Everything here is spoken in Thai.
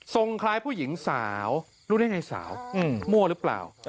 คล้ายผู้หญิงสาวรู้ได้ไงสาวมั่วหรือเปล่า